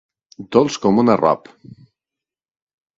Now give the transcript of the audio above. Dolç com un arrop.